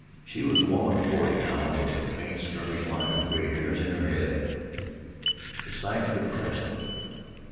She was a woman of forty now, with a faint skirmish line of gray hairs in her head. The sight depressed him.